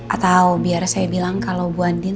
atau biar saya bilang kalau bu andi